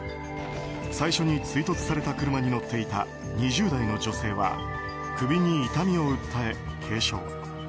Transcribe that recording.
最初に追突された車に乗っていた２０代の女性は首に痛みを訴え軽傷。